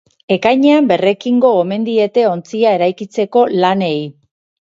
Ekainean berrekingo omen diete ontzia eraikitzeko lanei.